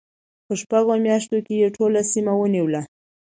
په شپږو میاشتو کې یې ټوله سیمه ونیوله.